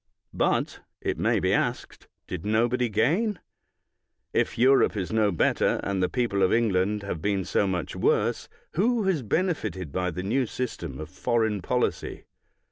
But, it may be asked, did nobody gain? If Europe is no better, and the people of England have been so much worse, who has benefited by the new system of foreign policy?